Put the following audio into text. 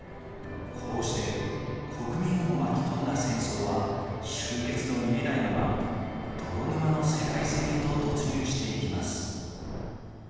こうして国民をも巻き込んだ戦争は終結の見えないまま泥沼の世界戦へと突入していきます。